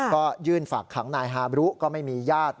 ก็ยื่นฝากขังนายฮาบรุก็ไม่มีญาติ